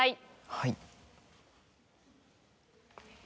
はい。